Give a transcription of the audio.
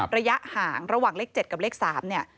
ระยะห่างระหว่างเลข๗กับเลข๓เนี่ย